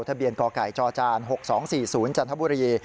เท่าทะเบียนก่อไก่จอจาน๖๒๔๐จันทบุรี